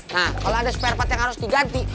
nah kalau ada spare part yang harus diganti